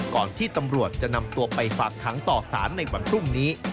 ก่อนที่ตำรวจจะนำตัวไปฝากขังต่อสารในวันพรุ่งนี้